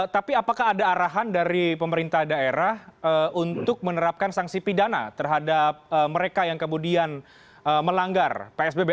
tapi apakah ada arahan dari pemerintah daerah untuk menerapkan sanksi pidana terhadap mereka yang kemudian melanggar psbb